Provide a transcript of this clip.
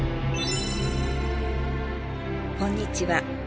こんにちは。